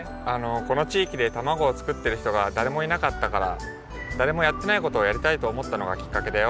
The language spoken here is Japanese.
このちいきでたまごをつくってるひとがだれもいなかったからだれもやってないことをやりたいとおもったのがきっかけだよ。